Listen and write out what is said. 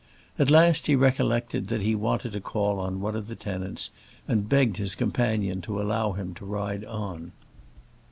At last he recollected that he wanted to call on one of the tenants, and begged his companion to allow him to ride on.